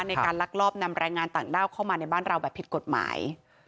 ในการลักลอบนำแรงงานต่างด้าวเข้ามาในบ้านเราแบบผิดกฎหมาย